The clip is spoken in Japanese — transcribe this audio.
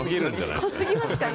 濃すぎますかね？